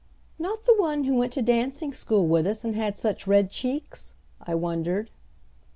"Not the one who went to dancing school with us, and had such red cheeks?" I wondered.